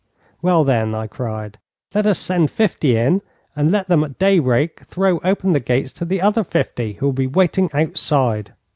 'Well, then,' I cried, 'let us send fifty in, and let them at daybreak throw open the gates to the other fifty, who will be waiting outside.'